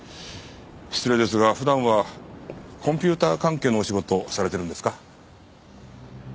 失礼ですが普段はコンピューター関係のお仕事をされてるんですか？